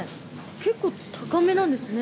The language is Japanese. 結構高めなんですね。